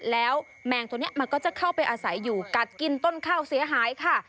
แล้วแมงตัวนี้มันก็จะเข้าไปอาศัยอยู่กัดกินต้นข้าวเสียหายค่ะ